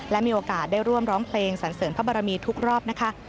และมีโอกาสได้ร่วมร้องเพลงสันเสริมพระบรมีทุกรอบนะคะ